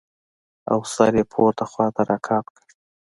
او سر يې پورته خوا راقات کړ.